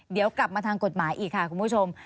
เดี๋ยวกลับมาทางกฎหมายอีกค่ะคุณผู้ชม